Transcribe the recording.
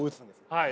はい。